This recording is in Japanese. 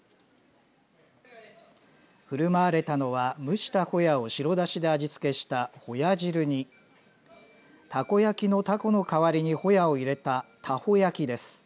振る舞われたのは蒸したほやを白だしで味付けしたほや汁にたこ焼きのたこの代わりに、ほやを入れたたホ焼きです。